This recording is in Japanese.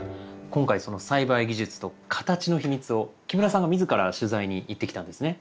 今回その栽培技術と形の秘密を木村さんが自ら取材に行ってきたんですね？